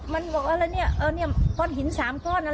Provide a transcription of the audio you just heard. มันกลบฮิน๓ก้อน